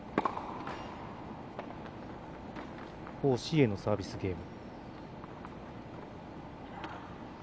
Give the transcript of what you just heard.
王紫瑩のサービスゲーム。